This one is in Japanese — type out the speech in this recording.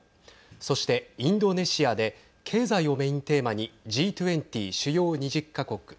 そして、インドネシアで経済をメインテーマにＧ２０＝主要２０か国。